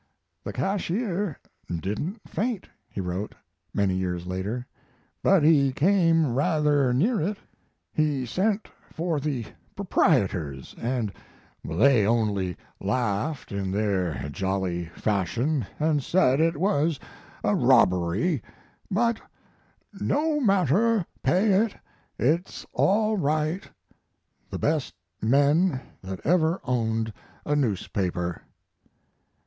"The cashier didn't faint," he wrote, many years later, "but he came rather near it. He sent for the proprietors, and they only laughed in their jolly fashion, and said it was a robbery, but 'no matter, pay it. It's all right.' The best men that ever owned a newspaper."